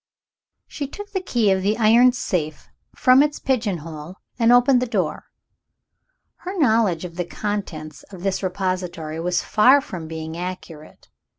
She took the key of the iron safe from its pigeon hole, and opened the door. Her knowledge of the contents of this repository was far from being accurate.